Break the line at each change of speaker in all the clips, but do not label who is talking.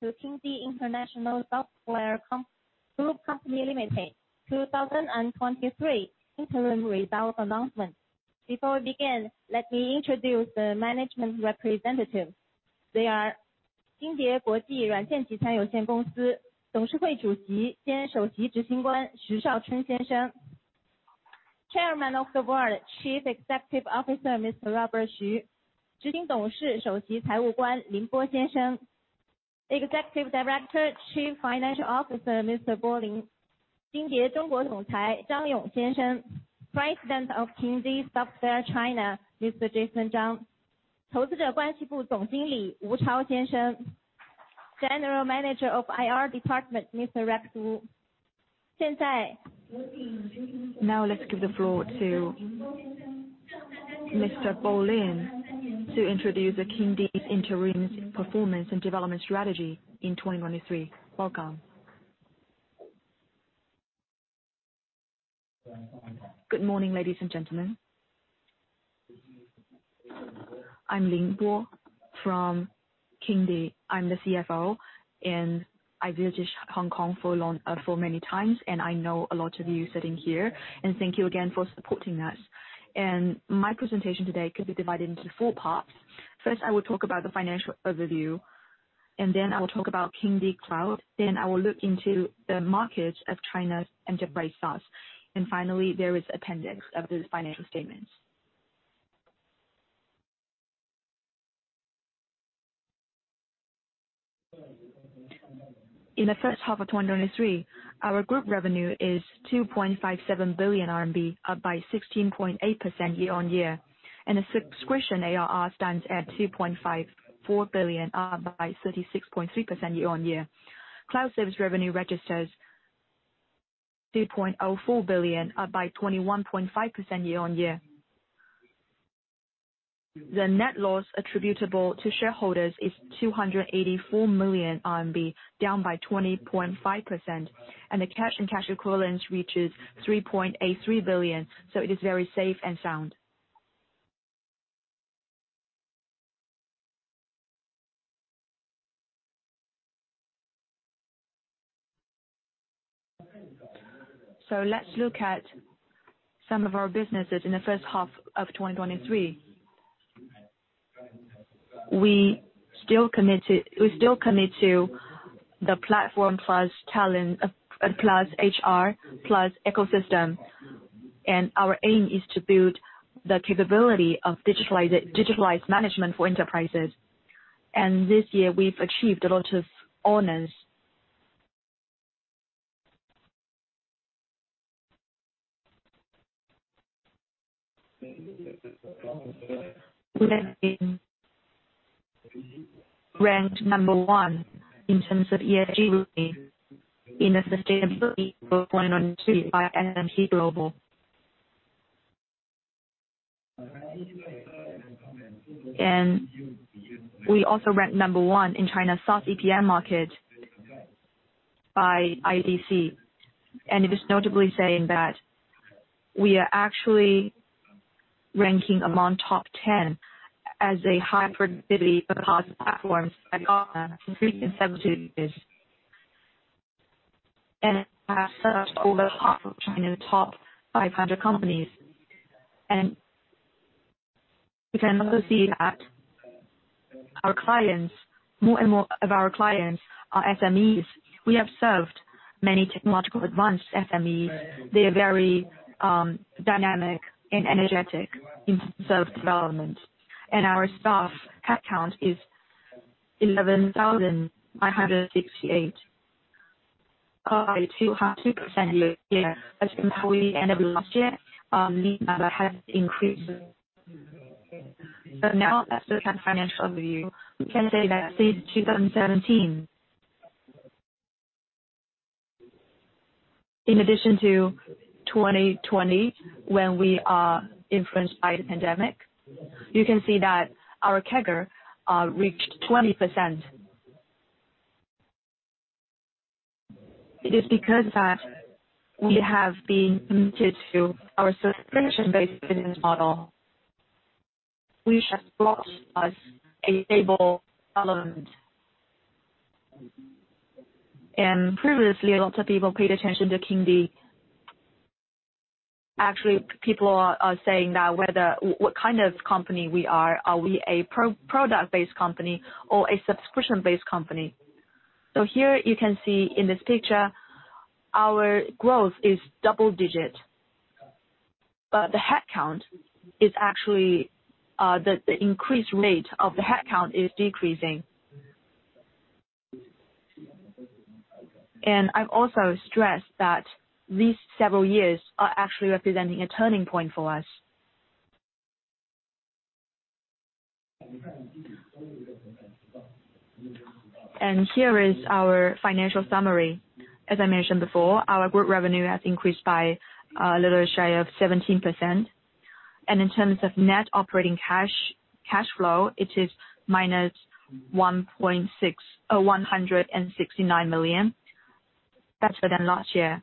To Kingdee International Software Group Company Limited, 2023 interim result announcement. Before we begin, let me introduce the management representative. They are Kingdee Guoji Ruanjianjituan Youxian Gongsi, Dongshihui Zhuxi Jian Shouxi Zhixingguan, Xu Shao Chun Xianxian. Chairman of the Board, Chief Executive Officer, Mr. Robert Xu. Zhixing Dongshi, Shouxi Caiwuguan, Lin Bo Xianxian. Executive Director, Chief Financial Officer, Mr. Bo Ling. Kingdee Zhongguo Zongcai, Zhang Yong Xianxian. President of Kingdee Software China, Mr. Jason Zhang. Touzi zhe guanxi bu zongjingli, Wu Chao Xianxian. General Manager of IR Department, Mr. Rex Wu. Now, let's give the floor to Mr. Bo Ling to introduce the Kingdee's interim performance and development strategy in 2023. Welcome.
Good morning, ladies and gentlemen. I'm Lin Bo from Kingdee. I'm the CFO. I visit Hong Kong for a long, for many times, I know a lot of you sitting here. Thank you again for supporting us. My presentation today could be divided into four parts. First, I will talk about the financial overview. Then I will talk about Kingdee Cloud. I will look into the markets of China's enterprise SaaS. Finally, there is appendix of these financial statements. In the first half of 2023, our group revenue is 2.57 billion RMB, up by 16.8% year-on-year. The subscription ARR stands at 2.54 billion, up by 36.3% year-on-year. Cloud service revenue registers RMB 2.04 billion, up by 21.5% year-on-year. The net loss attributable to shareholders is 284 million RMB, down by 20.5%, and the cash and cash equivalents reaches 3.83 billion, so it is very safe and sound. Let's look at some of our businesses in the first half of 2023. We still commit to, we still commit to the platform plus talent, plus HR, plus ecosystem, and our aim is to build the capability of digitalize, digitalize management for enterprises. This year, we've achieved a lot of honors. We have been ranked number 1 in terms of ESG rating in the sustainability book 1 on 2 by S&P Global. We also ranked number 1 in China's SaaS EPM market by IDC, and it is notably saying that we are actually ranking among top 10 as a hybrid ERP platforms provider for 17 years. Have served over half of China's top 500 companies. We can also see that our clients, more and more of our clients are SMEs. We have served many technological advanced SMEs. They are very dynamic and energetic in terms of development. Our staff headcount is 11,968, up by 200% year-on-year. As compared to end of last year, this number has increased. Now let's look at financial overview. We can say that since 2017, in addition to 2020, when we are influenced by the pandemic, you can see that our CAGR reached 20%. It is because that we have been committed to our subscription-based business model, which has brought us a stable development. Previously, a lot of people paid attention to Kingdee. Actually, people are, are saying now whether, what kind of company we are? Are we a product-based company or a subscription-based company? Here you can see in this picture, our growth is double-digit, but the headcount is actually. The, the increased rate of the headcount is decreasing. I've also stressed that these several years are actually representing a turning point for us. Here is our financial summary. As I mentioned before, our group revenue has increased by a little shy of 17%. In terms of net operating cash, cash flow, it is minus 169 million RMB. That's better than last year.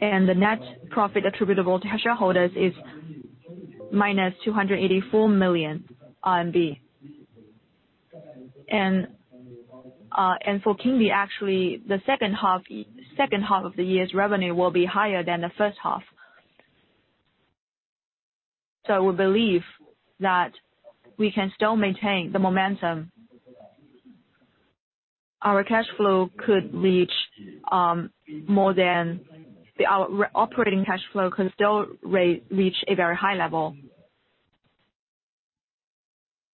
The net profit attributable to shareholders is minus 284 million RMB. For Kingdee, actually, the second half, second half of the year's revenue will be higher than the first half. We believe that we can still maintain the momentum. Our cash flow could reach a very high level.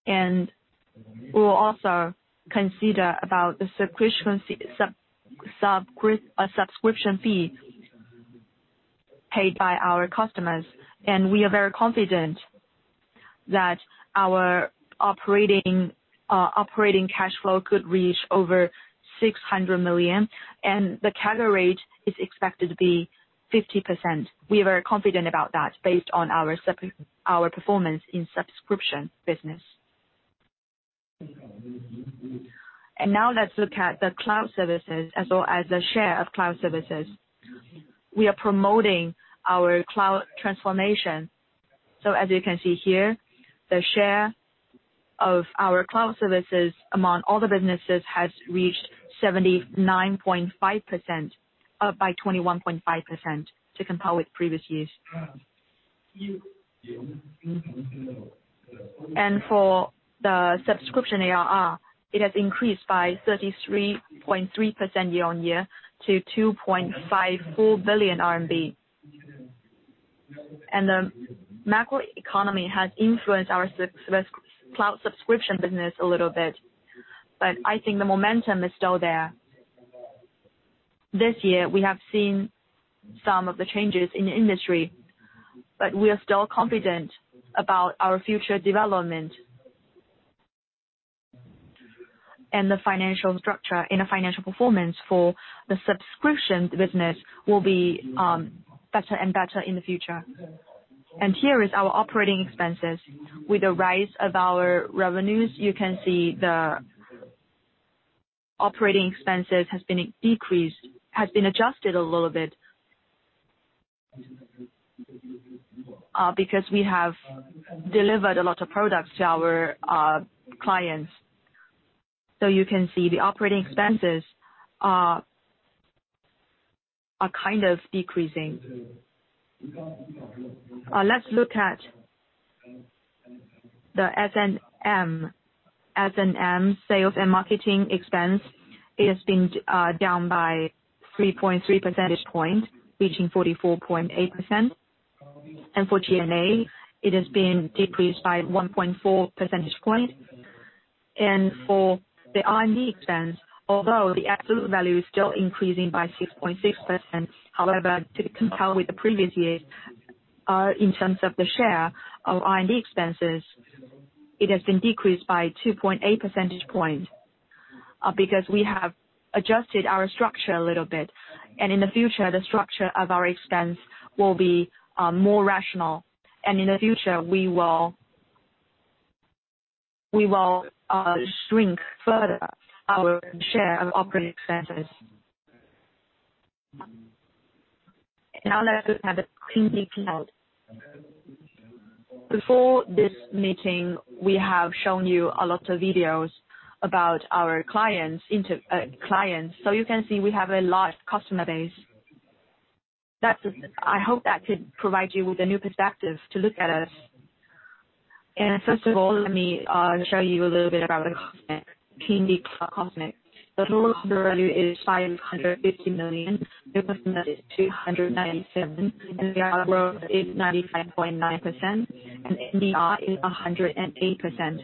We will also consider about the subscription fee, subscription fee paid by our customers, and we are very confident that our operating operating cash flow could reach over 600 million, and the CAGR rate is expected to be 50%. We are very confident about that based on our sub, our performance in subscription business. Now let's look at the cloud services as well as the share of cloud services. We are promoting our cloud transformation. As you can see here, the share of our cloud services among all the businesses has reached 79.5%, up by 21.5% to compare with previous years. For the subscription ARR, it has increased by 33.3% year-on-year to RMB 2.54 billion. The macroeconomy has influenced our cloud subscription business a little bit, but I think the momentum is still there. This year, we have seen some of the changes in the industry, but we are still confident about our future development. The financial structure and the financial performance for the subscription business will be better and better in the future. Here is our operating expenses. With the rise of our revenues, you can see the operating expenses has been decreased, has been adjusted a little bit, because we have delivered a lot of products to our clients. You can see the operating expenses are kind of decreasing. Let's look at the S&M. S&M, sales and marketing expense, it has been down by 3.3 percentage points, reaching 44.8%. For G&A, it has been decreased by 1.4 percentage point. For the R&D expense, although the absolute value is still increasing by 6.6%, however, to compare with the previous years, in terms of the share of R&D expenses, it has been decreased by 2.8 percentage point, because we have adjusted our structure a little bit. In the future, the structure of our expense will be more rational. In the future, we will, we will shrink further our share of operating expenses. Now let's look at the Kingdee Cloud. Before this meeting, we have shown you a lot of videos about our clients, inter clients, so you can see we have a large customer base. That's-- I hope that could provide you with a new perspective to look at us. First of all, let me show you a little bit about the Cosmic, Kingdee Cosmic. The total contract value is 550 million, new customer is 297, and the ARR growth is 95.9%, and NBR is 108%.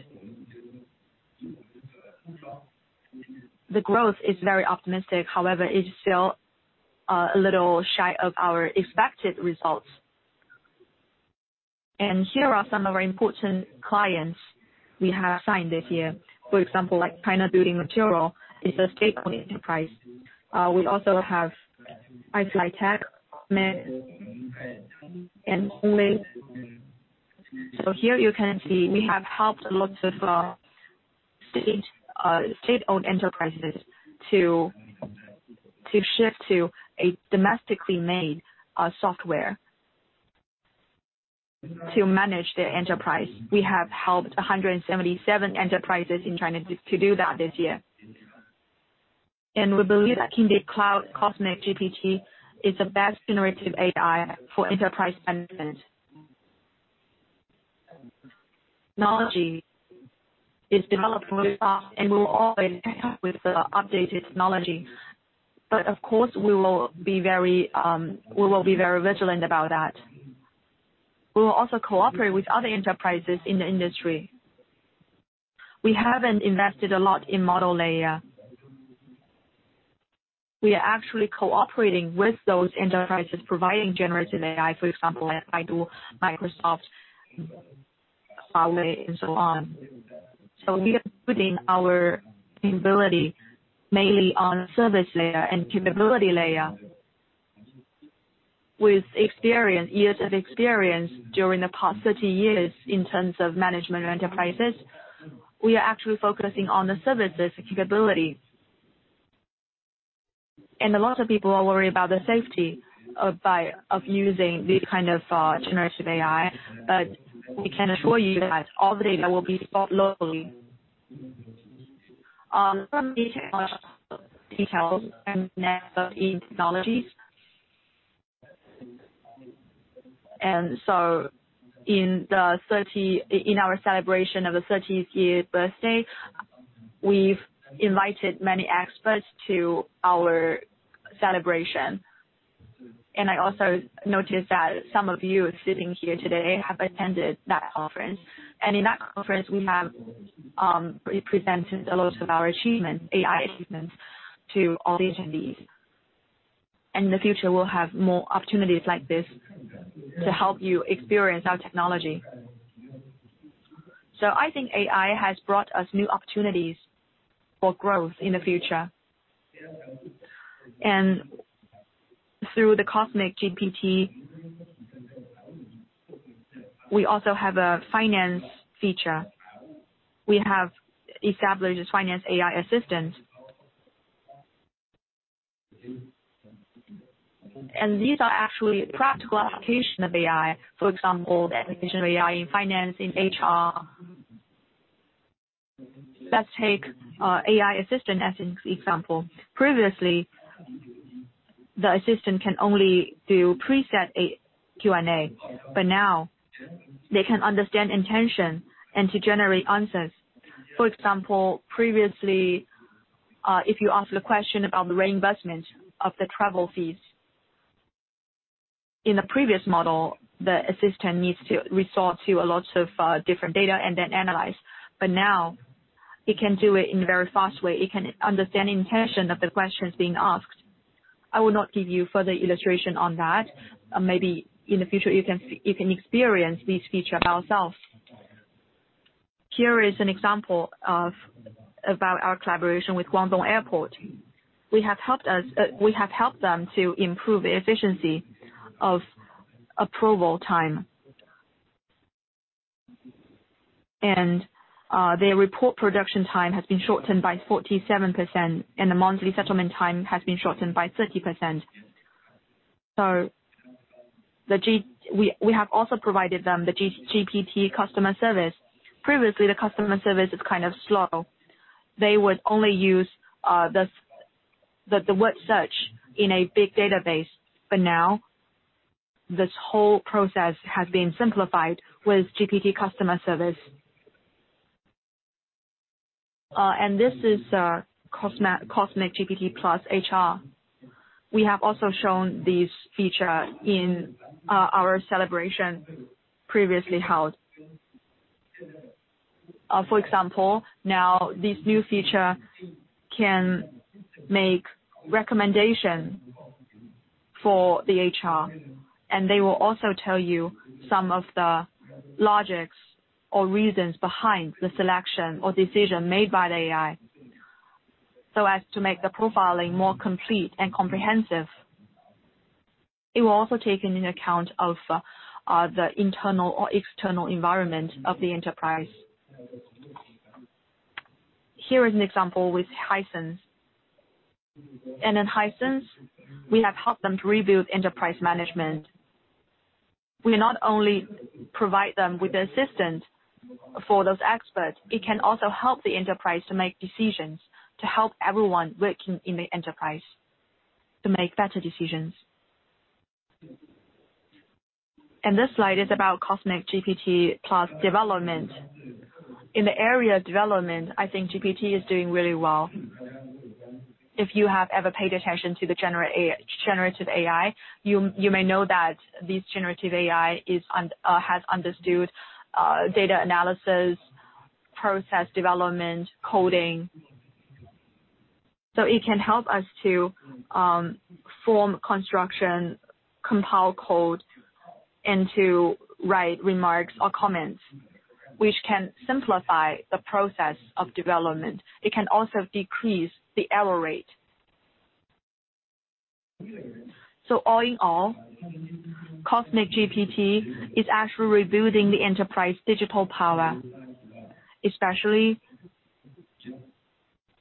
The growth is very optimistic, however, it is still a little shy of our expected results. Here are some of our important clients we have signed this year. For example, like China Building Material is a state-owned enterprise. We also have iFlytek, Midea, and Omic. Here you can see we have helped a lot of state, state-owned enterprises to, to shift to a domestically made software to manage their enterprise. We have helped 177 enterprises in China to, to do that this year. We believe that Kingdee Cloud Cosmic GPT is the best generative AI for enterprise management. Technology is developing fast, and we will always keep up with the updated technology. Of course, we will be very, we will be very vigilant about that. We will also cooperate with other enterprises in the industry. We haven't invested a lot in model layer. We are actually cooperating with those enterprises providing generative AI, for example, like Baidu, Microsoft, Huawei, and so on. We are putting our capability mainly on service layer and capability layer. With experience, years of experience during the past 30 years in terms of management enterprises, we are actually focusing on the services capability. A lot of people are worried about the safety of using this kind of generative AI. We can assure you that all the data will be stored locally. Some technology details and next in technologies. In our celebration of the 30th year birthday, we've invited many experts to our celebration. I also noticed that some of you sitting here today have attended that conference. In that conference, we have presented a lot of our achievements, AI achievements, to all the attendees. In the future, we'll have more opportunities like this to help you experience our technology. I think AI has brought us new opportunities for growth in the future. Through the Cosmic GPT, we also have a finance feature. We have established finance AI assistant. These are actually practical application of AI. For example, the application of AI in finance, in HR. Let's take AI assistant as an example. Previously, the assistant can only do preset A, Q&A, but now they can understand intention and to generate answers. For example, previously, if you ask a question about the reimbursement of the travel fees, in the previous model, the assistant needs to resort to a lot of different data and then analyze, but now it can do it in a very fast way. It can understand the intention of the questions being asked. I will not give you further illustration on that. Maybe in the future, you can, you can experience this feature by ourselves. Here is an example about our collaboration with Guangdong Airport. We have helped them to improve the efficiency of approval time. Their report production time has been shortened by 47%, and the monthly settlement time has been shortened by 30%. We, we have also provided them GPT customer service. Previously, the customer service is kind of slow. They would only use the word search in a big database, but now this whole process has been simplified with GPT customer service. This is Cosmic GPT plus HR. We have also shown this feature in our celebration previously held. For example, now this new feature can make recommendation for the HR. They will also tell you some of the logics or reasons behind the selection or decision made by the AI, so as to make the profiling more complete and comprehensive. It will also take into account of the internal or external environment of the enterprise. Here is an example with Hisense. In Hisense, we have helped them to rebuild enterprise management. We not only provide them with the assistance for those experts, it can also help the enterprise to make decisions, to help everyone working in the enterprise to make better decisions. This slide is about Cosmic GPT Plus development. In the area of development, I think GPT is doing really well. If you have ever paid attention to the generative AI, you, you may know that this generative AI has understood data analysis, process development, coding. It can help us to form construction, compile code, and to write remarks or comments, which can simplify the process of development. It can also decrease the error rate. All in all, Cosmic GPT is actually rebuilding the enterprise digital power, especially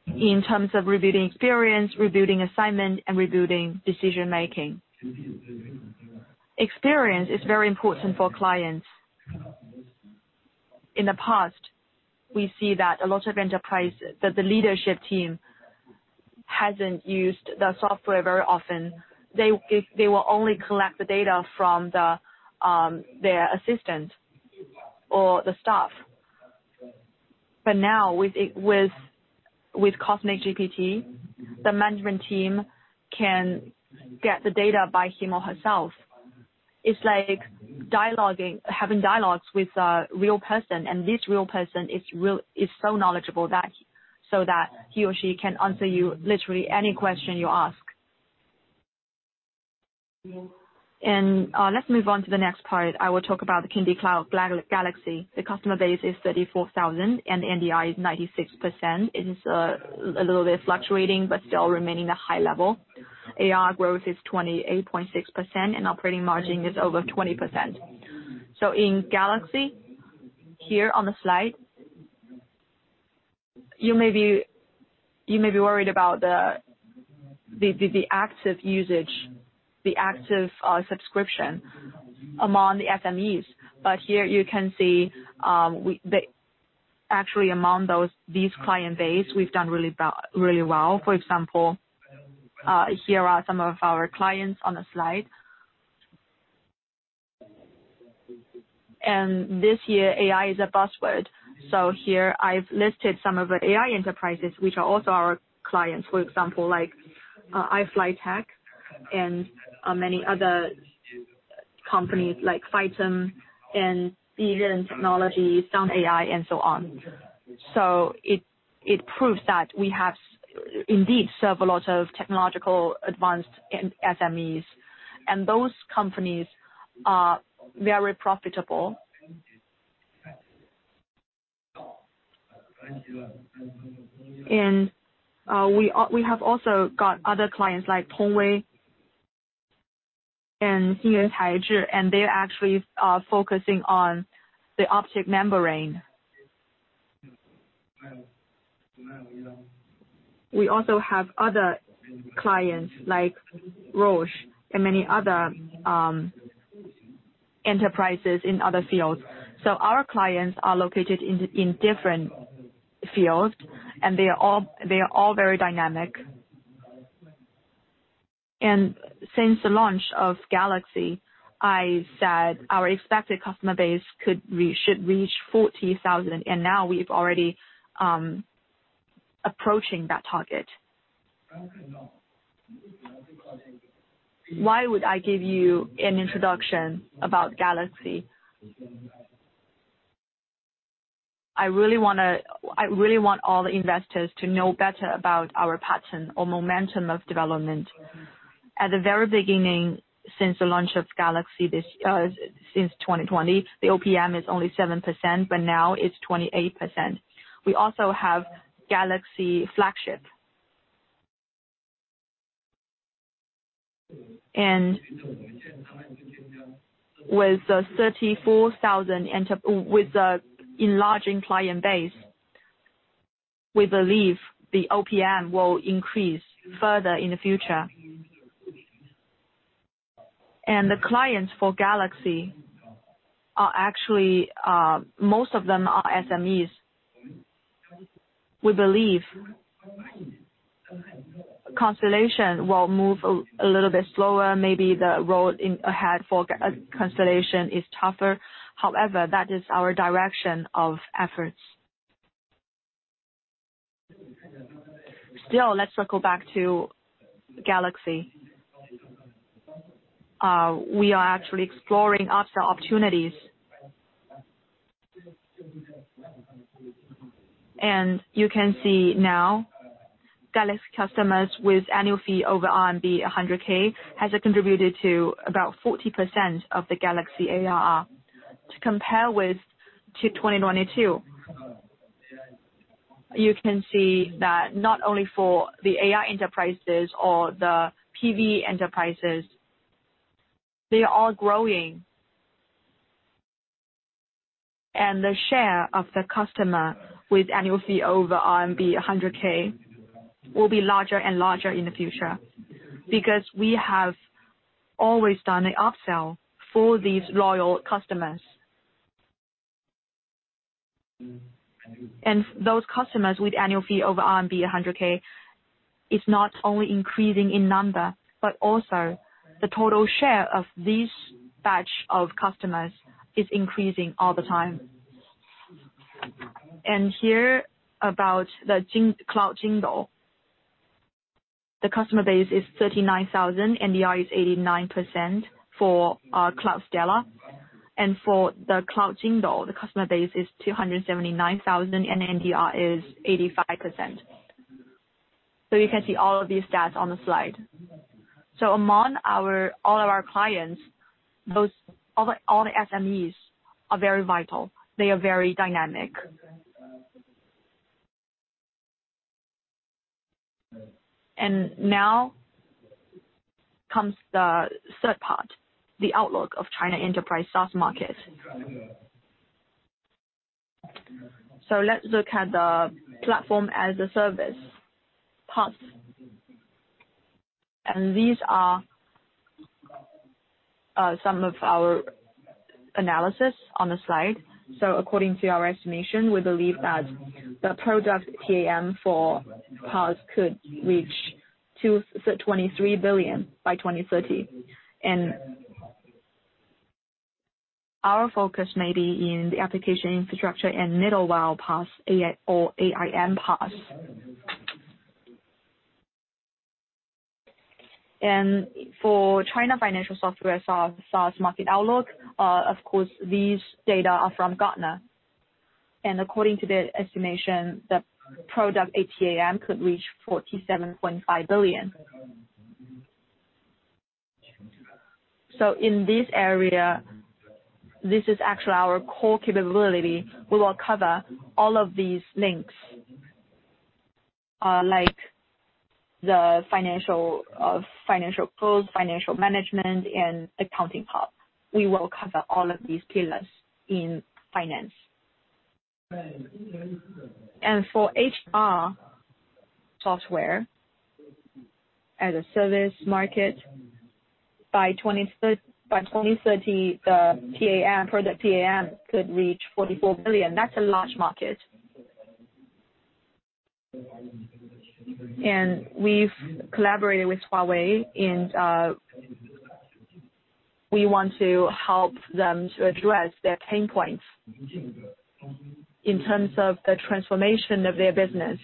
in terms of rebuilding experience, rebuilding assignment, and rebuilding decision-making. Experience is very important for clients. In the past, we see that a lot of enterprises, that the leadership team hasn't used the software very often. They, they will only collect the data from the, their assistant or the staff. Now, with it, with, with Cosmic GPT, the management team can get the data by him or herself. It's like dialoguing, having dialogues with a real person, and this real person is real is so knowledgeable that, so that he or she can answer you literally any question you ask. Let's move on to the next part. I will talk about the Kingdee Cloud Galaxy. The customer base is 34,000, and the NDR is 96%. It is a little bit fluctuating, but still remaining a high level. ARR growth is 28.6%, and operating margin is over 20%. In Galaxy, here on the slide, you may be worried about the active usage, the active subscription among the SMEs, but here you can see, we, actually, among those, these client base, we've done really well. For example, here are some of our clients on the slide. Yeah.This year, AI is a buzzword. So here I've listed some of the AI enterprises, which are also our clients, for example, like iFlytek and many other companies like Phytium and BeiGene Technology, Sun AI, and so on. It proves that we have, indeed, serve a lot of technological advanced in SMEs, and those companies are very profitable. We have also got other clients like Tongwei and Xingyue Haizhi, and they're actually focusing on the optic membrane. We also have other clients like Roche and many other enterprises in other fields. Our clients are located in different fields, and they are all very dynamic. Since the launch of Galaxy, I said our expected customer base should reach 40,000, and now we've already approaching that target. Why would I give you an introduction about Galaxy? I really want all the investors to know better about our pattern or momentum of development. At the very beginning, since the launch of Galaxy, this, since 2020, the OPM is only 7%, but now it's 28%. We also have Galaxy flagship. With the 34,000 With the enlarging client base, we believe the OPM will increase further in the future. The clients for Galaxy are actually, most of them are SMEs. We believe Constellation will move a little bit slower. Maybe the road in ahead for Constellation is tougher. However, that is our direction of efforts. Still, let's circle back to Galaxy. We are actually exploring after opportunities. You can see now, Galaxy customers with annual fee over RMB 100K, has contributed to about 40% of the Galaxy ARR. To compare with to 2022, you can see that not only for the AI enterprises or the PV enterprises, they are growing. The share of the customer with annual fee over RMB 100K, will be larger and larger in the future, because we have always done an upsell for these loyal customers. Those customers with annual fee over RMB 100K, is not only increasing in number, but also the total share of these batch of customers is increasing all the time. Here, about the Jingdou Cloud, the customer base is 39,000, NDR is 89% for Kingdee Cloud Stellar. For the Jingdou Cloud, the customer base is 279,000, and NDR is 85%. You can see all of these stats on the slide. Among our- all of our clients, those... All the, all the SMEs are very vital, they are very dynamic. Now comes the third part, the outlook of China enterprise SaaS market. Let's look at the platform as a service, PaaS. These are some of our analysis on the slide. According to our estimation, we believe that the product TAM for PaaS could reach CNY 2, 23 billion by 2030. Our focus may be in the application, infrastructure and middleware PaaS, AI or AI PaaS. For China financial software SaaS market outlook, of course, these data are from Gartner. According to the estimation, the product TAM could reach CNY 47.5 billion. In this area, this is actually our core capability. We will cover all of these links, like the financial, financial close, financial management, and accounting part. We will cover all of these pillars in finance. For HR software as a service market, by 2030, the TAM, product TAM could reach 44 billion. That's a large market. We've collaborated with Huawei, and we want to help them to address their pain points in terms of the transformation of their business.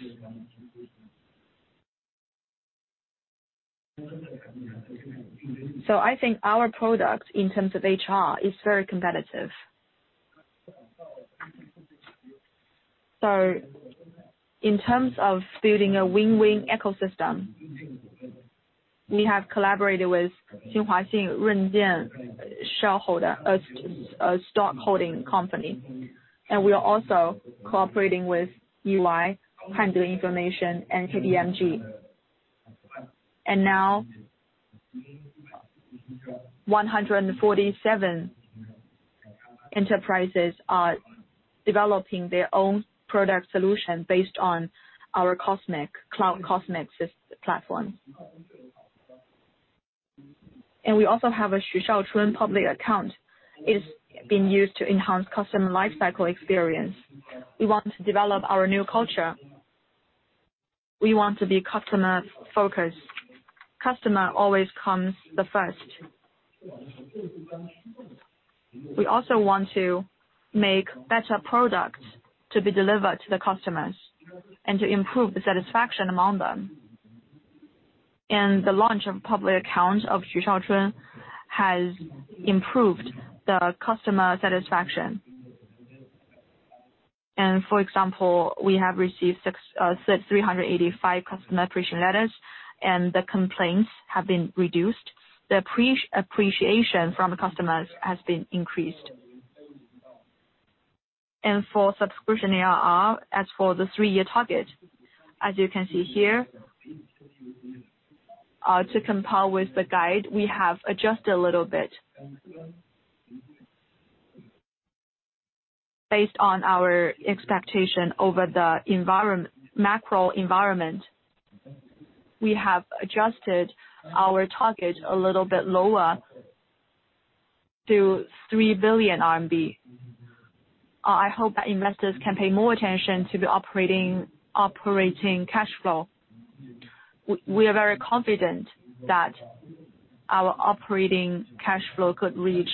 I think our product, in terms of HR, is very competitive. In terms of building a win-win ecosystem, we have collaborated with Xinhua Xing Renjian shareholder, a stockholding company, and we are also cooperating with UI, Handling Information, and KDMG. Now, 147 enterprises are developing their own product solution based on our Cosmic, Cloud Cosmic platform. We also have a Xu Shao Chun public account. It is being used to enhance customer life cycle experience. We want to develop our new culture. We want to be customer-focused. Customer always comes the first. We also want to make better products to be delivered to the customers and to improve the satisfaction among them. The launch of public account of Xu Shao Chun has improved the customer satisfaction. For example, we have received 385 customer appreciation letters, and the complaints have been reduced. The appreciation from the customers has been increased. For subscription ARR, as for the three-year target, as you can see here, to comply with the guide, we have adjusted a little bit. Based on our expectation over the environment, macro environment, we have adjusted our target a little bit lower to 3 billion RMB. I hope that investors can pay more attention to the operating cash flow. We are very confident that our operating cash flow could reach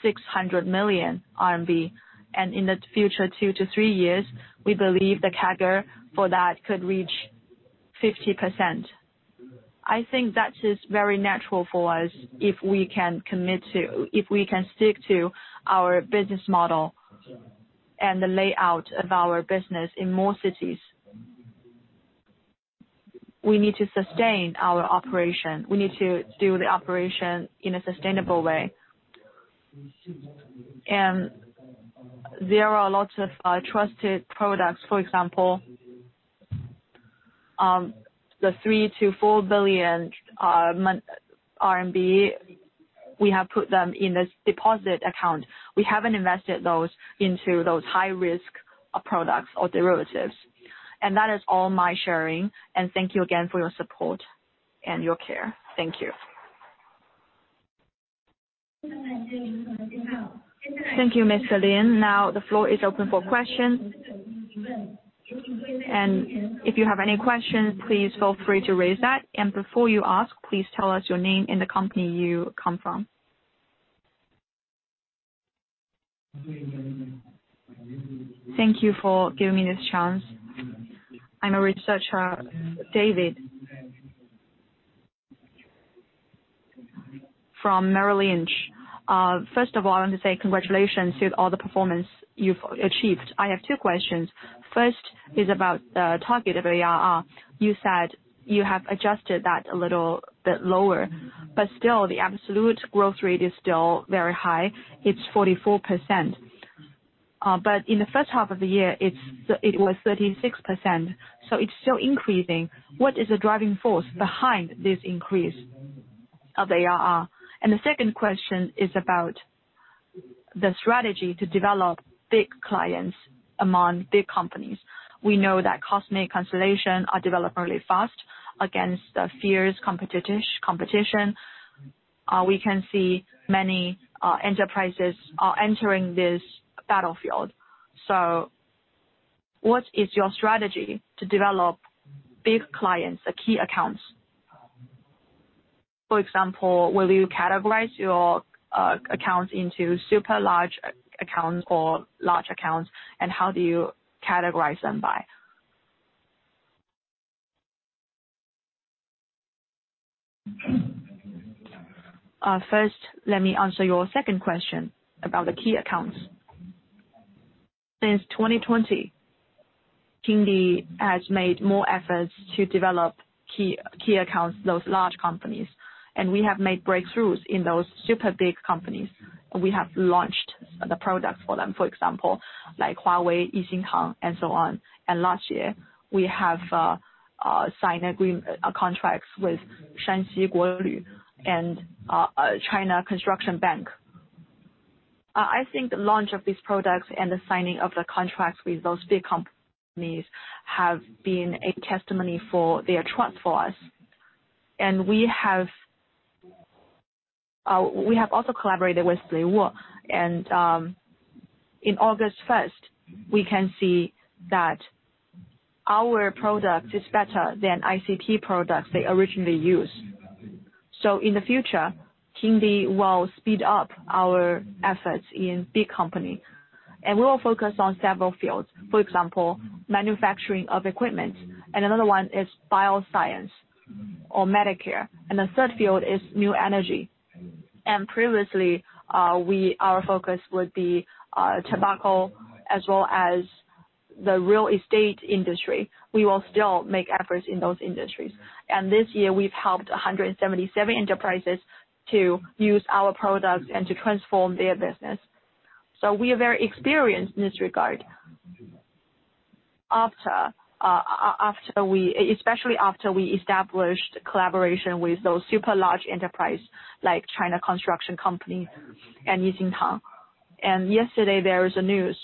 600 million RMB, and in the future, 2-3 years, we believe the CAGR for that could reach 50%. I think that is very natural for us if we can commit to... if we can stick to our business model and the layout of our business in more cities. We need to sustain our operation. We need to do the operation in a sustainable way. There are a lot of trusted products, for example, 3 billion-4 billion RMB, we have put them in a deposit account. We haven't invested those into those high-risk products or derivatives. That is all my sharing, and thank you again for your support and your care. Thank you.
Thank you, Ms. Lin. Now, the floor is open for questions. If you have any questions, please feel free to raise that. Before you ask, please tell us your name and the company you come from.
Thank you for giving me this chance. I'm a researcher, David, from Merrill Lynch. First of all, I want to say congratulations to all the performance you've achieved. I have 2 questions. First is about the target of ARR. You said you have adjusted that a little bit lower, but still, the absolute growth rate is still very high. It's 44%. But in the first half of the year, it was 36%, so it's still increasing. What is the driving force behind this increase of ARR? The second question is about the strategy to develop big clients among big companies. We know that Cosmic Constellation are developing really fast against the fierce competition. We can see many enterprises are entering this battlefield. What is your strategy to develop big clients or key accounts? For example, will you categorize your accounts into super large accounts or large accounts, and how do you categorize them by?
First, let me answer your second question about the key accounts. Since 2020, Kingdee has made more efforts to develop key, key accounts, those large companies, and we have made breakthroughs in those super big companies, and we have launched the products for them, for example, like Huawei, Yixintang, and so on. Last year, we have signed agreement, contracts with Shanxi Guoliu and China Construction Bank. I think the launch of these products and the signing of the contracts with those big companies have been a testimony for their trust for us. We have, we have also collaborated with Lihuo. In August 1st, we can see that our product is better than ICT products they originally used. In the future, Kingdee will speed up our efforts in big company, and we will focus on several fields. For example, manufacturing of equipment, and another one is bioscience or Medicare, and the third field is new energy. Previously, our focus would be tobacco as well as the real estate industry. We will still make efforts in those industries. This year we've helped 177 enterprises to use our products and to transform their business. We are very experienced in this regard. After we established collaboration with those super large enterprise, like China Construction Bank and Yixintang. Yesterday, there was a news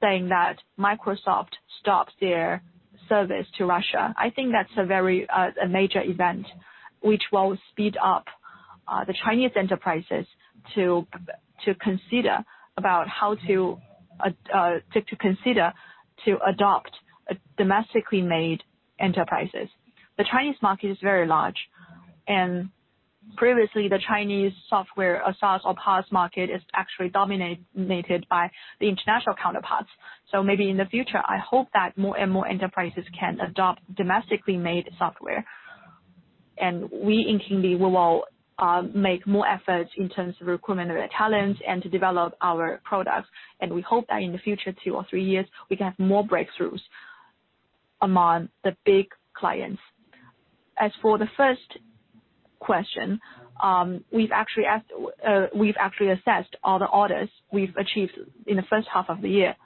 saying that Microsoft stopped their service to Russia. I think that's a very major event, which will speed up the Chinese enterprises to consider about how to consider to adopt a domestically made enterprises. The Chinese market is very large, and previously, the Chinese software, SaaS or PaaS market, is actually dominated by the international counterparts. Maybe in the future, I hope that more and more enterprises can adopt domestically made software. We in Kingdee will make more efforts in terms of recruitment of their talents and to develop our products. We hope that in the future, 2 or 3 years, we can have more breakthroughs among the big clients. As for the first question, we've actually asked, we've actually assessed all the orders we've achieved in the first half of the year.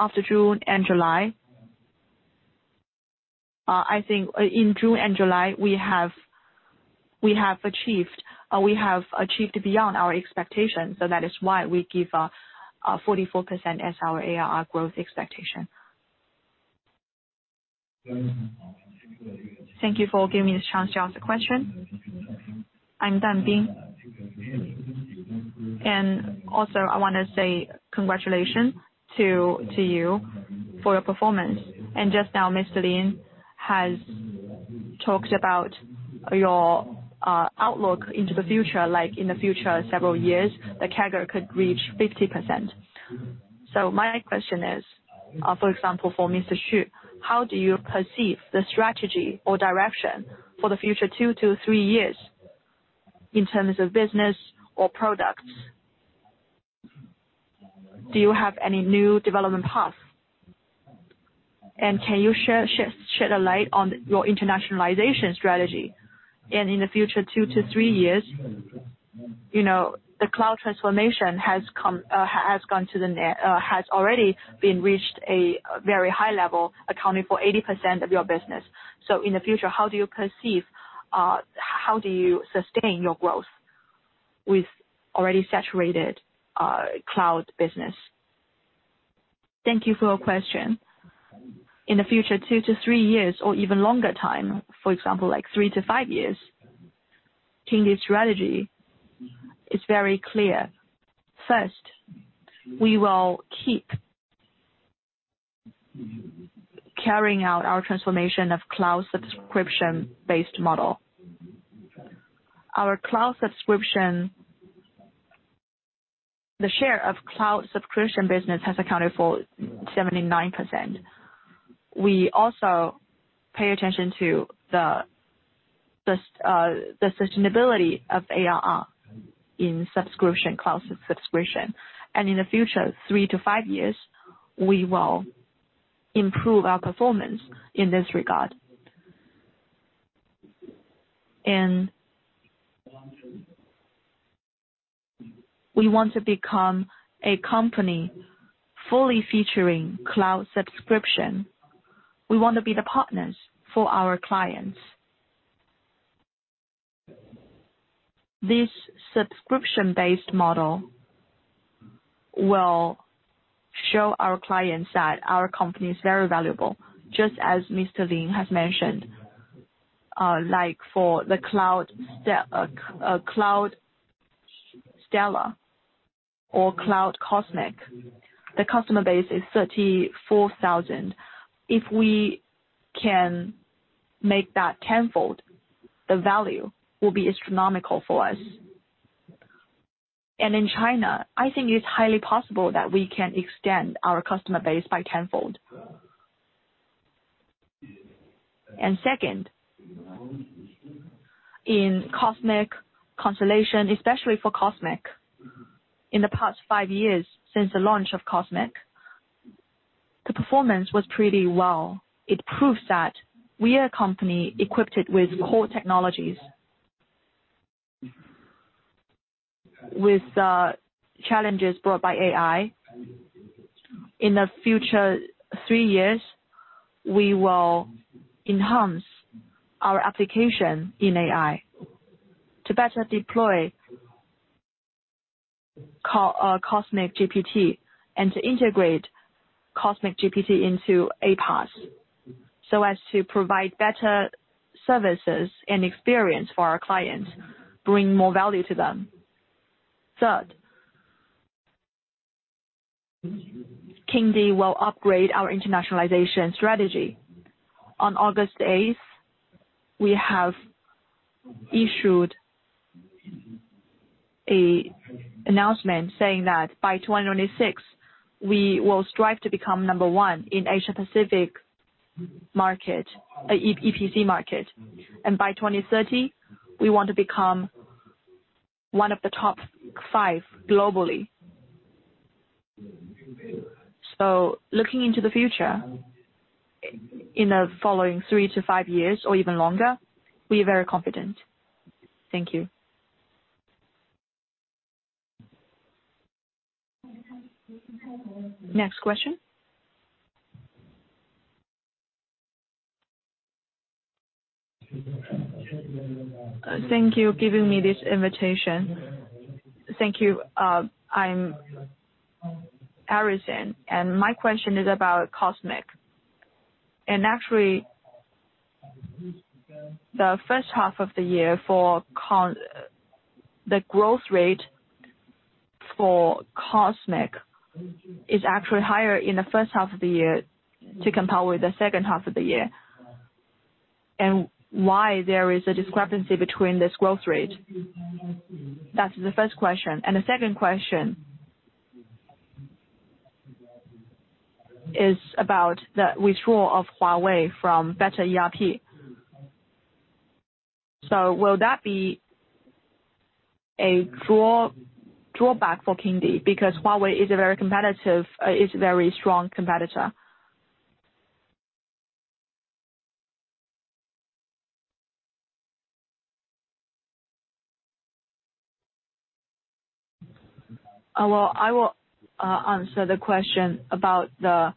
After June and July, I think in June and July, we have, we have achieved, we have achieved beyond our expectations, so that is why we give a 44% as our ARR growth expectation.
Thank you for giving me this chance to ask the question. I'm Dan Bing, and also I want to say congratulations to, to you for your performance. Just now, Mr. Lin has talked about your outlook into the future, like in the future, several years, the CAGR could reach 50%. My question is, for example, for Mr. Xu, how do you perceive the strategy or direction for the future 2-3 years in terms of business or products? Do you have any new development path? Can you share, shed a light on your internationalization strategy? In the future, 2-3 years, you know, the cloud transformation has come, has gone to the net... has already been reached a very high level, accounting for 80% of your business. In the future, how do you perceive, how do you sustain your growth with already saturated, cloud business?
Thank you for your question. In the future, 2-3 years or even longer time, for example, like 3-5 years, Kingdee strategy is very clear. First, we will keep carrying out our transformation of cloud subscription-based model. Our cloud subscription, the share of cloud subscription business has accounted for 79%. We also pay attention to the, the, the sustainability of ARR in subscription, cloud subscription. In the future, 3-5 years, we will improve our performance in this regard. We want to become a company fully featuring cloud subscription. We want to be the partners for our clients. This subscription-based model will show our clients that our company is very valuable, just as Mr. Lin has mentioned. Like for the Cloud Stellar or Cloud Cosmic, the customer base is 34,000. If we can make that tenfold, the value will be astronomical for us. In China, I think it's highly possible that we can extend our customer base by tenfold. Second, in Cosmic Constellation, especially for Cosmic, in the past five years, since the launch of Cosmic, the performance was pretty well. It proves that we are a company equipped with core technologies. With challenges brought by AI, in the future three years, we will enhance our application in AI to better deploy Cosmic GPT and to integrate Cosmic GPT into aPaaS, so as to provide better services and experience for our clients, bring more value to them. Third, Kingdee will upgrade our internationalization strategy. On August 8th, we have issued a announcement saying that by 2026, we will strive to become number one in Asia Pacific market, EPC market. By 2030, we want to become one of the top five globally. Looking into the future, in the following 3-5 years or even longer, we are very confident. Thank you. Next question?
Thank you for giving me this invitation. Thank you. I'm Harrison, and my question is about Cosmic. Actually, the first half of the year for the growth rate for Cosmic is actually higher in the first half of the year to compare with the second half of the year, and why there is a discrepancy between this growth rate? That's the first question. The second question is about the withdrawal of Huawei from MAT ERP. Will that be a drawback for Kingdee? Because Huawei is a very competitive, is a very strong competitor.
Well, I will answer the question about the...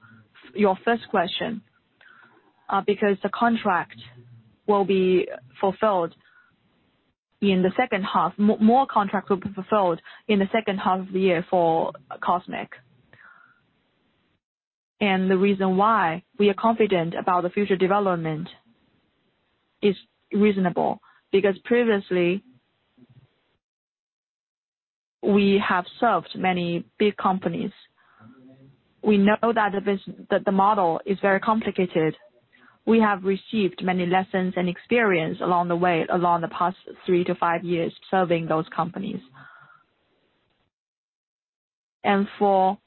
Your first question, because the contract will be fulfilled in the second half. More contract will be fulfilled in the second half of the year for Cosmic. The reason why we are confident about the future development is reasonable, because previously, we have served many big companies. We know that the model is very complicated. We have received many lessons and experience along the way, along the past three to five years, serving those companies. For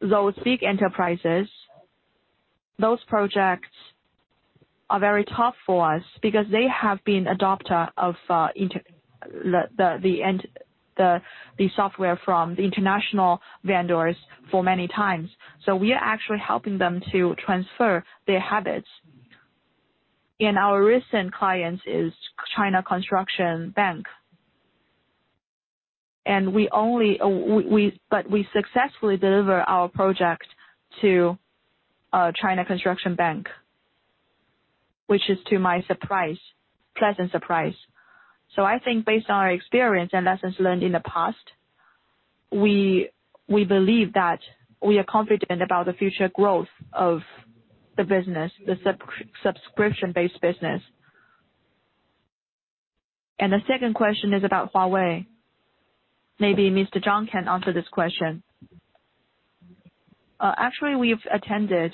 those big enterprises, those projects are very tough for us because they have been adopter of software from the international vendors for many times. We are actually helping them to transfer their habits. Our recent clients is China Construction Bank. We successfully deliver our project to China Construction Bank, which is to my surprise, pleasant surprise. I think based on our experience and lessons learned in the past, we believe that we are confident about the future growth of the business, the subscription-based business. The second question is about Huawei. Maybe Mr. John can answer this question. Actually, we've attended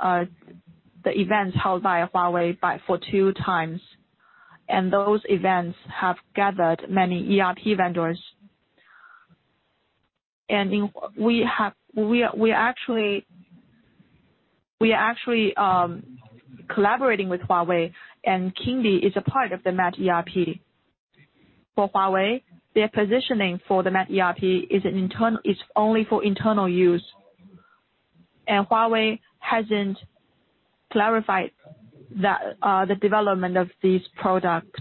the events held by Huawei for two times, and those events have gathered many ERP vendors. We actually are collaborating with Huawei, and Kingdee is a part of the MAT ERP. For Huawei, their positioning for the MAT ERP is only for internal use, and Huawei hasn't clarified the development of this product.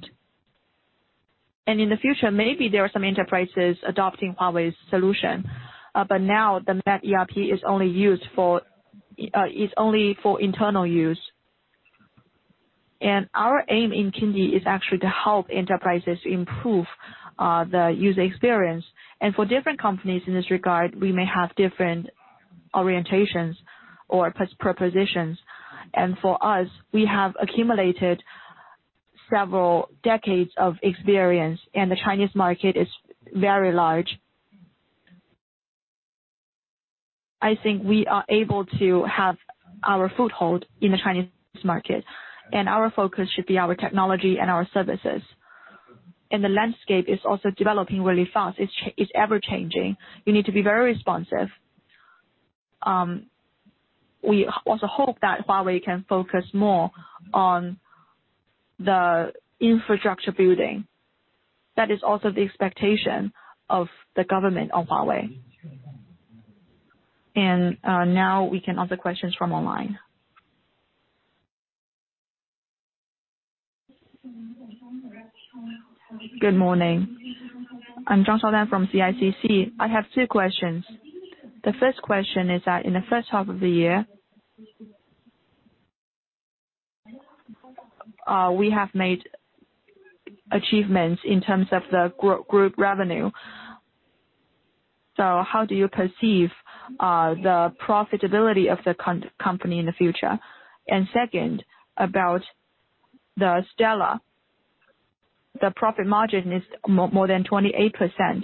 In the future, maybe there are some enterprises adopting Huawei's solution, but now the MAT ERP is only used for internal use. Our aim in Kingdee is actually to help enterprises improve the user experience. For different companies in this regard, we may have different orientations or propositions. For us, we have accumulated several decades of experience, and the Chinese market is very large. I think we are able to have our foothold in the Chinese market, and our focus should be our technology and our services. The landscape is also developing really fast. It's ever-changing. You need to be very responsive. We also hope that Huawei can focus more on the infrastructure building. That is also the expectation of the government of Huawei. Now we can answer questions from online.
Good morning. I'm John Shaodan from CICC. I have two questions. The first question is that in the first half of the year, we have made achievements in terms of the group revenue. How do you perceive the profitability of the company in the future? Second, about the Stella, the profit margin is more than 28%.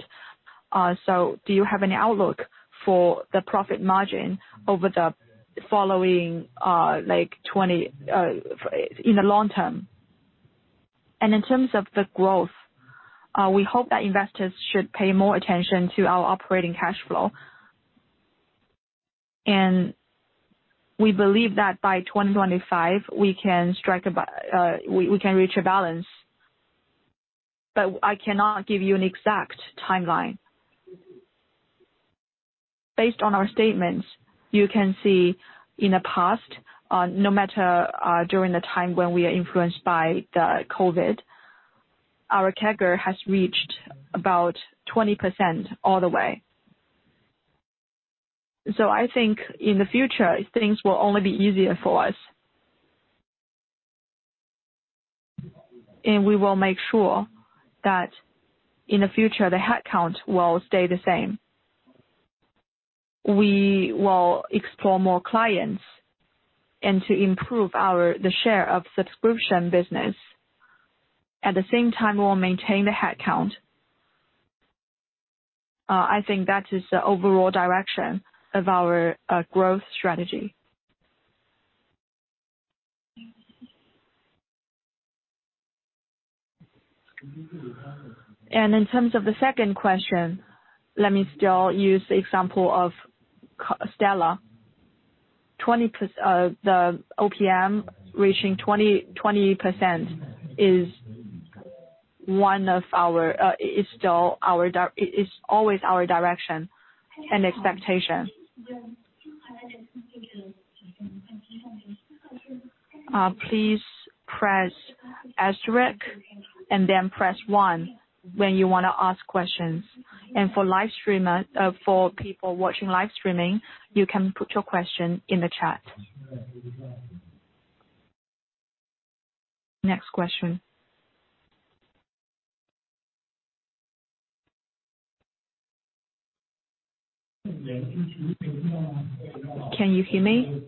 Do you have any outlook for the profit margin over the following, like 20, for in the long term?
In terms of the growth, we hope that investors should pay more attention to our operating cash flow. We believe that by 2025, we can strike a we, we can reach a balance. I cannot give you an exact timeline. Based on our statements, you can see in the past, no matter, during the time when we are influenced by the COVID, our CAGR has reached about 20% all the way. I think in the future, things will only be easier for us. We will make sure that in the future, the head count will stay the same. We will explore more clients and to improve our, the share of subscription business. At the same time, we will maintain the head count. I think that is the overall direction of our growth strategy. In terms of the second question, let me still use the example of Constellation. Twenty plus... the OPM reaching 20, 20% is one of our, is still our it is always our direction and expectation.
Please press asterisk, and then press 1 when you wanna ask questions. For live stream, for people watching live streaming, you can put your question in the chat. Next question. Can you hear me?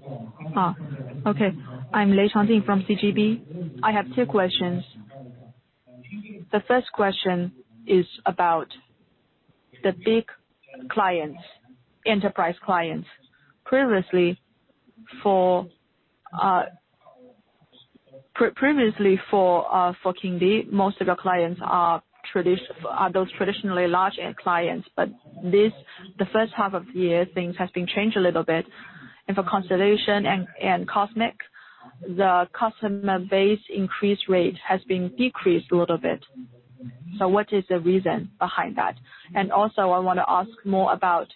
Okay. I'm Lei Changding from CGB. I have 2 questions. The 1st question is about the big clients, enterprise clients. Previously, for Kingdee, most of your clients are those traditionally large end clients, but this, the 1st half of the year, things have been changed a little bit. For Constellation and Cosmic, the customer base increase rate has been decreased a little bit. What is the reason behind that? Also, I want to ask more about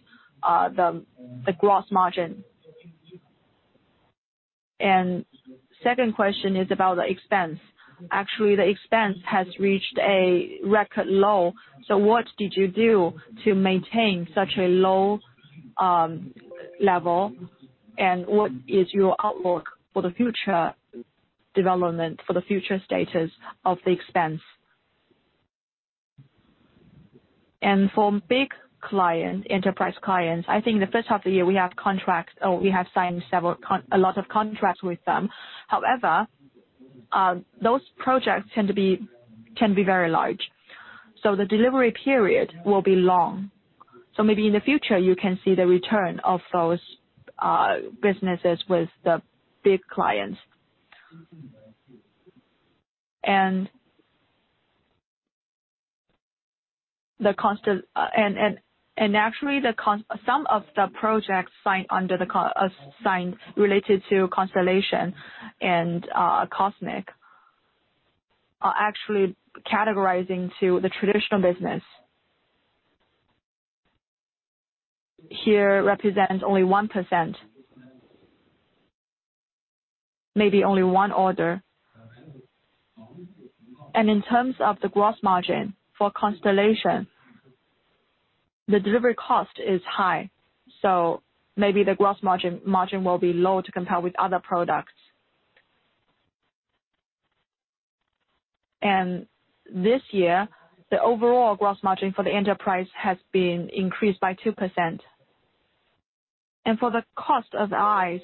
the gross margin. 2nd question is about the expense. Actually, the expense has reached a record low, so what did you do to maintain such a low level? What is your outlook for the future development, for the future status of the expense?
For big client, enterprise clients, I think the first half of the year we have contracts, or we have signed several a lot of contracts with them. However, those projects tend to be, can be very large, so the delivery period will be long. Maybe in the future, you can see the return of those businesses with the big clients. The constant actually, some of the projects signed related to Constellation and Cosmic, are actually categorizing to the traditional business. Here, represents only 1%. Maybe only 1 order. In terms of the gross margin for Constellation, the delivery cost is high, so maybe the gross margin, margin will be low to compare with other products. This year, the overall gross margin for the enterprise has been increased by 2%. For the cost of the eyes,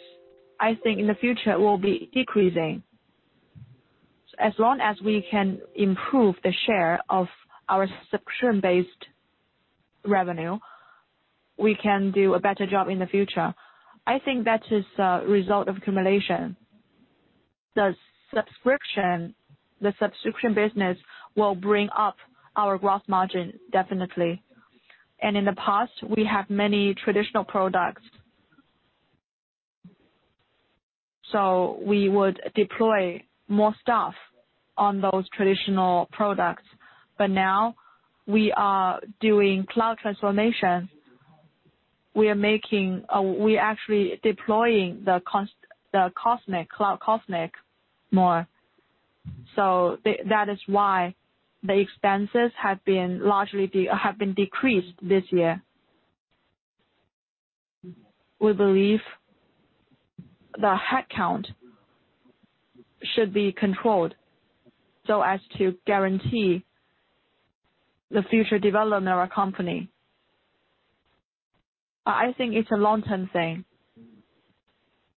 I think in the future will be decreasing. As long as we can improve the share of our subscription-based revenue, we can do a better job in the future. I think that is a result of accumulation. The subscription, the subscription business will bring up our gross margin, definitely. In the past, we have many traditional products.... We would deploy more staff on those traditional products, but now we are doing cloud transformation. We are making, we're actually deploying the Cosmic, Cloud Cosmic more. The, that is why the expenses have been largely have been decreased this year. We believe the headcount should be controlled so as to guarantee the future development of our company. I think it's a long-term thing.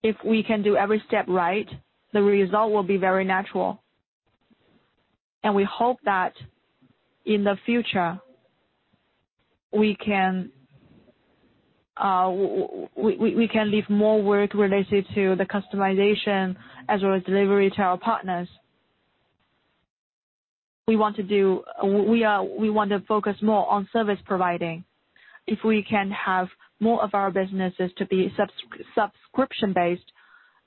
If we can do every step right, the result will be very natural. We hope that in the future, we can, we can leave more work related to the customization as well as delivery to our partners. We want to do. We are, we want to focus more on service providing. If we can have more of our businesses to be subscription-based,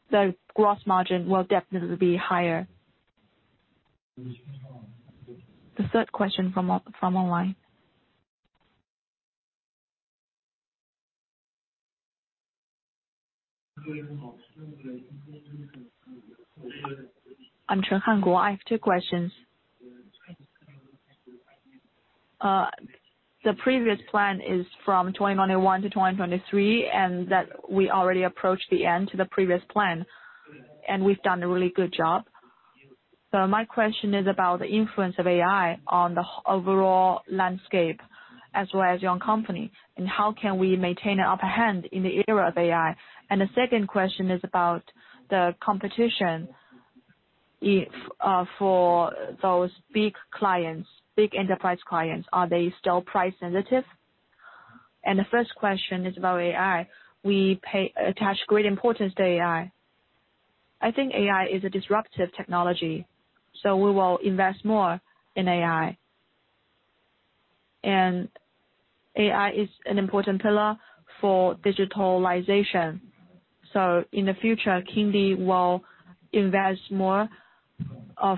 the gross margin will definitely be higher.
The third question from online.
I'm Chen Hangul. I have two questions. The previous plan is from 2021 to 2023, that we already approached the end to the previous plan, we've done a really good job. My question is about the influence of AI on the overall landscape as well as your own company, how can we maintain an upper hand in the era of AI? The second question is about the competition, if, for those big clients, big enterprise clients, are they still price sensitive?
The first question is about AI. We attach great importance to AI. I think AI is a disruptive technology, so we will invest more in AI. AI is an important pillar for digitalization. In the future, Kingdee will invest more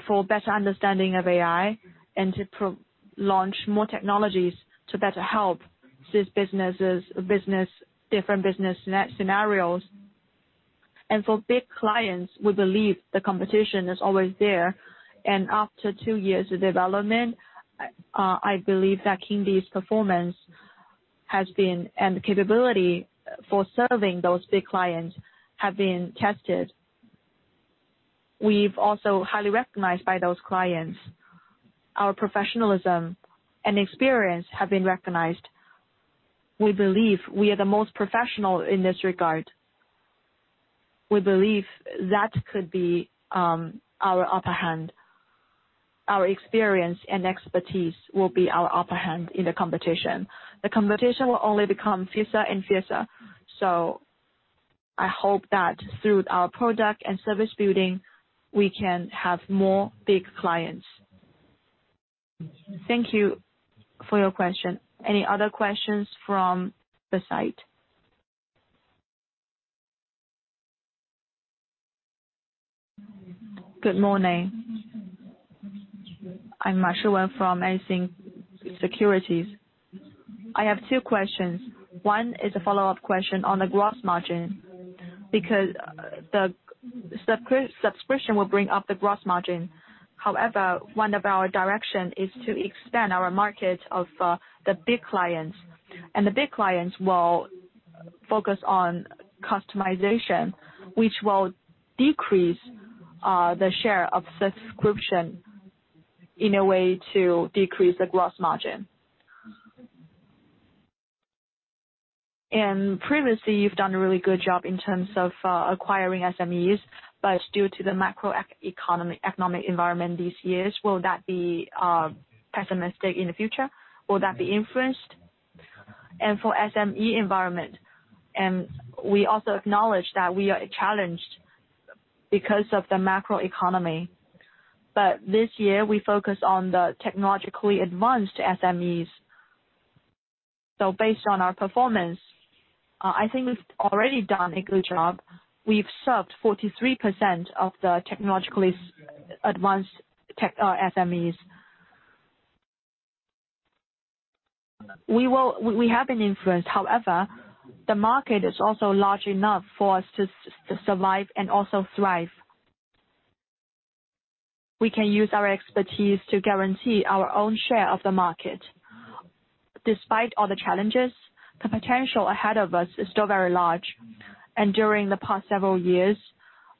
for better understanding of AI and to launch more technologies to better help these businesses, business, different business scenarios. For big clients, we believe the competition is always there, and after 2 years of development, I believe that Kingdee's performance has been, and the capability for serving those big clients have been tested. We've also highly recognized by those clients. Our professionalism and experience have been recognized. We believe we are the most professional in this regard. We believe that could be our upper hand. Our experience and expertise will be our upper hand in the competition. The competition will only become fiercer and fiercer, so I hope that through our product and service building, we can have more big clients.
Thank you for your question. Any other questions from the site?
Good morning. I'm Ma Shuwen from Amazing Securities. I have 2 questions. One is a follow-up question on the gross margin, because the subscription will bring up the gross margin. However, one of our direction is to expand our market of, the big clients, and the big clients will focus on customization, which will decrease, the share of subscription in a way to decrease the gross margin. Previously, you've done a really good job in terms of, acquiring SMEs, due to the macroeconomy, economic environment these years, will that be, pessimistic in the future? Will that be influenced?
For SME environment, and we also acknowledge that we are challenged because of the macroeconomy. This year, we focus on the technologically advanced SMEs. Based on our performance, I think we've already done a good job. We've served 43% of the technologically advanced tech SMEs. We will... we have an influence, however, the market is also large enough for us to survive and also thrive. We can use our expertise to guarantee our own share of the market. Despite all the challenges, the potential ahead of us is still very large, during the past several years,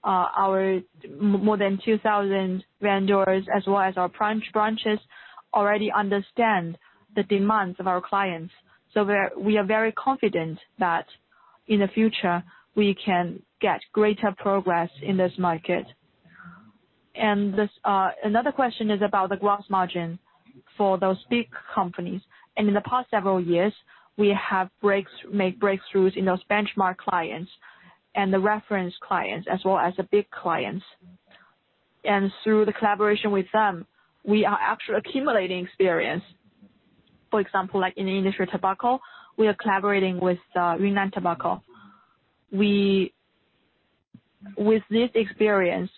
our more than 2,000 vendors, as well as our branch, branches, already understand the demands of our clients. We're - we are very confident that in the future, we can get greater progress in this market. This, another question is about the gross margin for those big companies. In the past several years, we have breaks, made breakthroughs in those benchmark clients and the reference clients, as well as the big clients. Through the collaboration with them, we are actually accumulating experience. For example, like in the industry of tobacco, we are collaborating with Yunnan Tobacco. With this experience,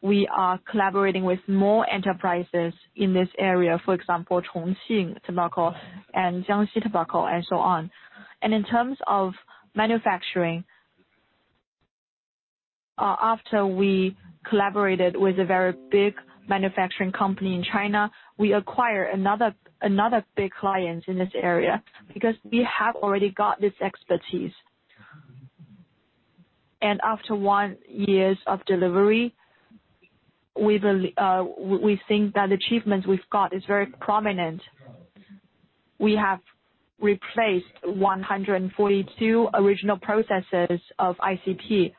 we are collaborating with more enterprises in this area, for example, Chongqing Tobacco and Jiangxi Tobacco, and so on. In terms of manufacturing, after we collaborated with a very big manufacturing company in China, we acquire another big client in this area, because we have already got this expertise. After 1 years of delivery, we think that the achievements we've got is very prominent. We have replaced 142 original processes of ICP.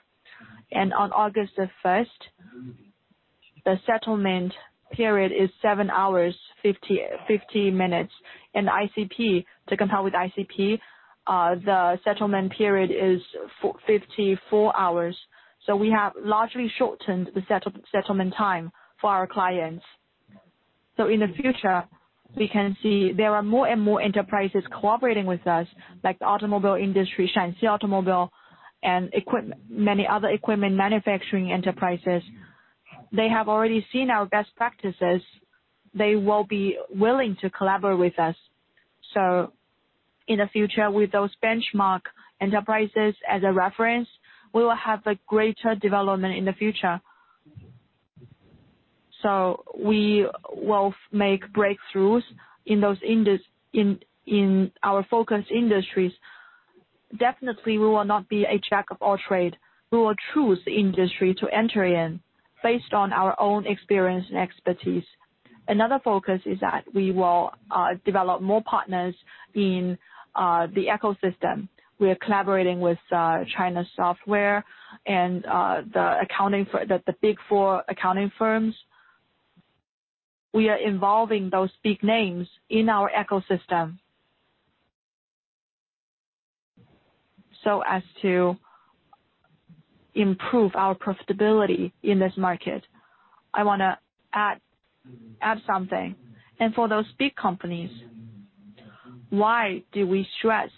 On August 1st, the settlement period is 7 hours, 50 minutes. ICP, to compare with ICP, the settlement period is 54 hours. We have largely shortened the settlement time for our clients. In the future, we can see there are more and more enterprises cooperating with us, like the automobile industry, Shanxi Automobile, and many other equipment manufacturing enterprises. They have already seen our best practices. They will be willing to collaborate with us. In the future, with those benchmark enterprises as a reference, we will have a greater development in the future. We will make breakthroughs in our focus industries. Definitely, we will not be a jack of all trades. We will choose the industry to enter in, based on our own experience and expertise. Another focus is that we will develop more partners in the ecosystem. We are collaborating with China Software and the Big Four accounting firms. We are involving those big names in our ecosystem... as to improve our profitability in this market. I wanna add, add something. For those big companies, why do we stress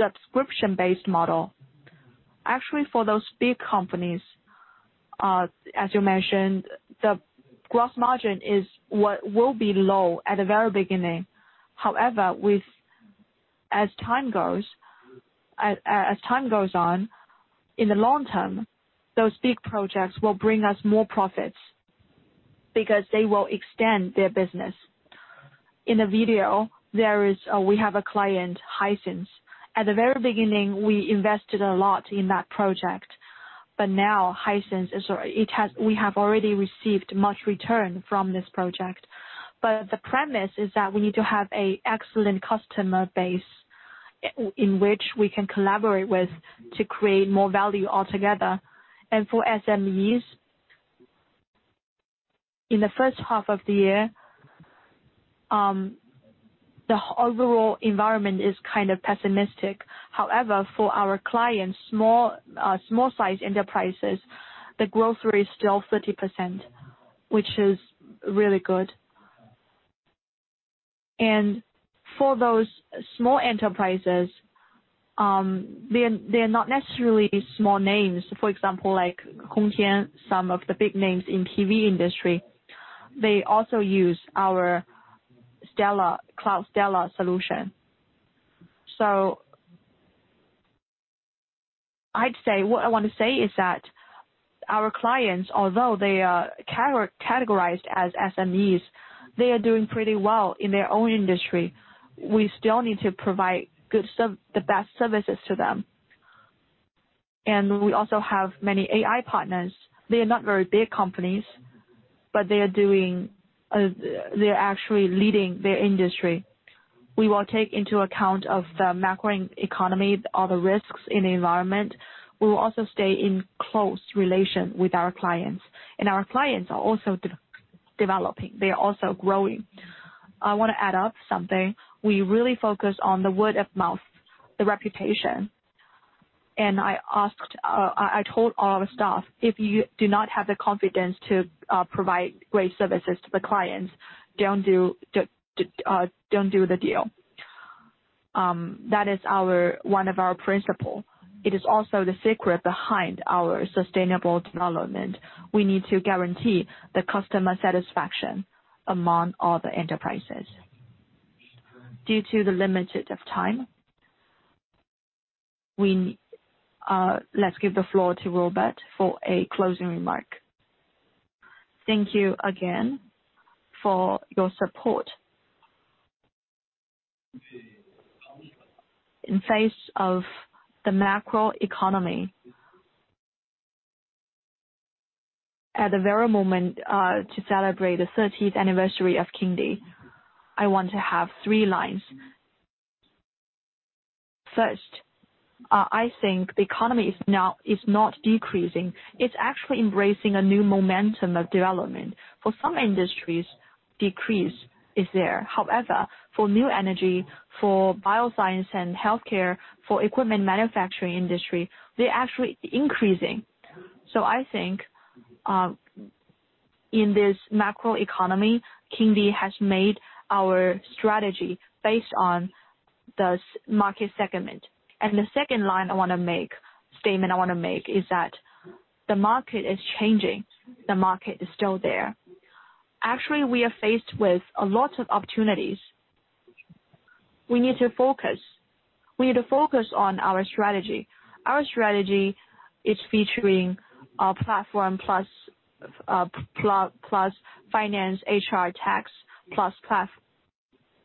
subscription-based model? Actually, for those big companies, as you mentioned, the gross margin is what will be low at the very beginning. However, as time goes on, in the long term, those big projects will bring us more profits because they will extend their business. In the video, there is, we have a client, Hisense. At the very beginning, we invested a lot in that project, but now Hisense is, we have already received much return from this project. The premise is that we need to have a excellent customer base, in, in which we can collaborate with, to create more value altogether. For SMEs, in the first half of the year, the overall environment is kind of pessimistic. However, for our clients, small, small-sized enterprises, the growth rate is still 30%, which is really good. For those small enterprises, they're, they're not necessarily small names. For example, like Hongqian, some of the big names in TV industry, they also use our Stellar, Cloud Stellar solution. I'd say, what I want to say is that our clients, although they are categorized as SMEs, they are doing pretty well in their own industry. We still need to provide the best services to them. We also have many AI partners. They are not very big companies, but they are actually leading their industry. We will take into account of the macro economy, all the risks in the environment. We will also stay in close relation with our clients, and our clients are also developing, they are also growing. I want to add up something. We really focus on the word of mouth, the reputation. I asked, I told all our staff, "If you do not have the confidence to provide great services to the clients, don't do the, don't do the deal." That is our, one of our principle. It is also the secret behind our sustainable development. We need to guarantee the customer satisfaction among all the enterprises. Due to the limited of time, we, let's give the floor to Robert for a closing remark. Thank you again for your support. In face of the macro economy, at the very moment, to celebrate the 30th anniversary of Kingdee, I want to have three lines. First, I think the economy is now, is not decreasing. It's actually embracing a new momentum of development. For some industries, decrease is there. However, for new energy, for bioscience and healthcare, for equipment manufacturing industry, they're actually increasing. I think, in this macroeconomy, Kingdee has made our strategy based on the market segment. The second line I wanna make, statement I wanna make, is that the market is changing. The market is still there. Actually, we are faced with a lot of opportunities. We need to focus. We need to focus on our strategy. Our strategy is featuring our platform plus, plus finance, HR, tax, plus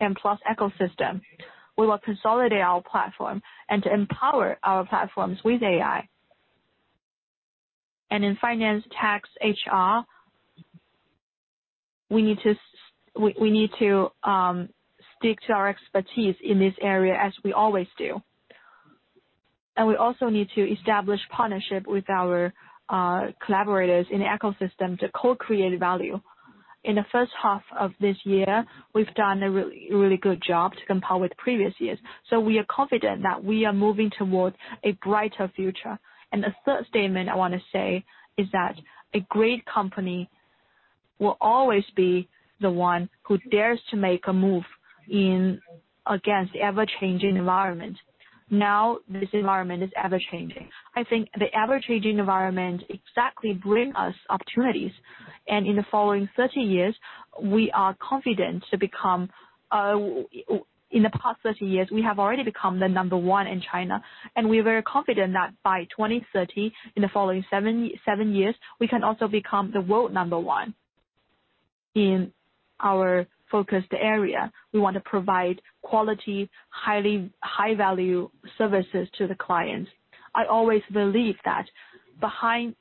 and plus ecosystem. We will consolidate our platform and to empower our platforms with AI. In finance, tax, HR, we need to we, we need to stick to our expertise in this area as we always do. We also need to establish partnership with our collaborators in the ecosystem to co-create value. In the first half of this year, we've done a really good job to compare with previous years, so we are confident that we are moving towards a brighter future. The third statement I wanna say is that a great company will always be the one who dares to make a move in against the ever-changing environment. Now, this environment is ever-changing. I think the ever-changing environment exactly bring us opportunities, and in the following 30 years, we are confident to become... In the past 30 years, we have already become the number one in China, and we are very confident that by 2030, in the following seven years, we can also become the world number one. In our focused area, we want to provide quality, highly, high-value services to the clients. I always believe that behind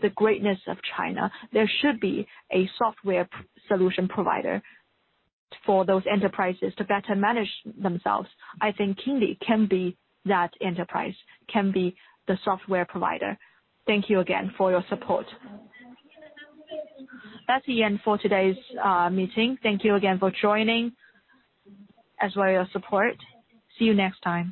the greatness of China, there should be a software solution provider for those enterprises to better manage themselves. I think Kingdee can be that enterprise, can be the software provider. Thank you again for your support. That's the end for today's meeting. Thank you again for joining, as well your support. See you next time.